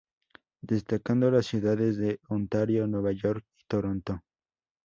Destacando las ciudades de Ontario, Nueva York y Toronto.